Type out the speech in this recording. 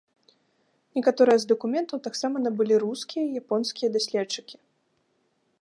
Некаторыя з дакументаў таксама набылі рускія і японскія даследчыкі.